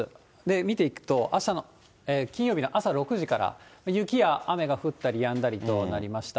見ていくと、金曜日の朝６時から、雪や雨が降ったりやんだりとなりました。